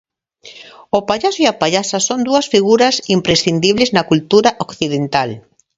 O pallaso e a pallasa son dúas figuras imprescindibles na cultura occidental.